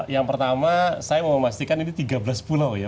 yang pertama saya mau memastikan ini tiga belas pulau ya